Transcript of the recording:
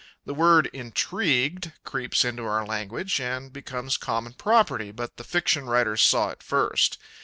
The word "intrigued" creeps into our language and becomes common property, but the fiction writers saw it first.